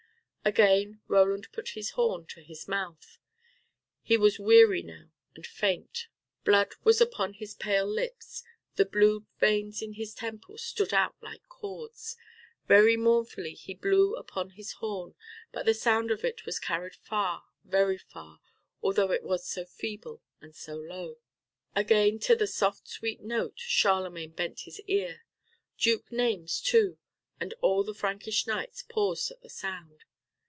Again Roland put his horn to his mouth. He was weary now and faint. Blood was upon his pale lips, the blue veins in his temples stood out like cords. Very mournfully he blew upon his horn, but the sound of it was carried far, very far, although it was so feeble and so low. Again to the soft, sweet note Charlemagne bent his ear. Duke Naimes, too, and all the Frankish knights, paused at the sound.